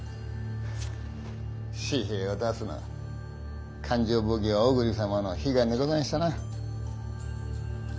紙幣を出すのは勘定奉行小栗様の悲願でござんしたなぁ。